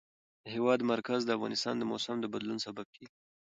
د هېواد مرکز د افغانستان د موسم د بدلون سبب کېږي.